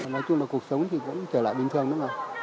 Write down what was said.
nói chung là cuộc sống thì vẫn trở lại bình thường đó mà